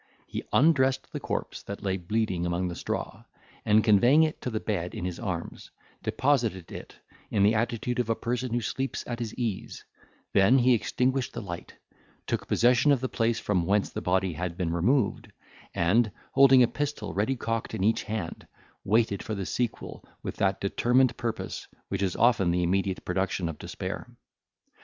He undressed the corpse that lay bleeding among the straw, and, conveying it to the bed in his arms, deposited it in the attitude of a person who sleeps at his ease; then he extinguished the light, took possession of the place from whence the body had been removed, and, holding a pistol ready cocked in each hand, waited for the sequel with that determined purpose which is often the immediate production of despair.